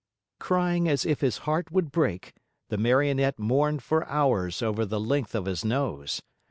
Crying as if his heart would break, the Marionette mourned for hours over the length of his nose.